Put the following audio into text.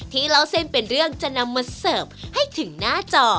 เล่าเส้นเป็นเรื่องจะนำมาเสิร์ฟให้ถึงหน้าจอ